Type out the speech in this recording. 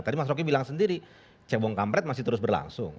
tadi mas roky bilang sendiri cekbong kampret masih terus berlangsung